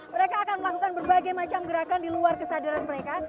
mereka akan melakukan berbagai macam gerakan di luar kesadaran mereka